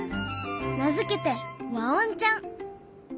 名付けてわおんちゃん！